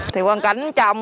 thì quan cảnh chồng